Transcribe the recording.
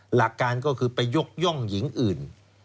หลักการก็คือไปยกย่องหญิงอื่น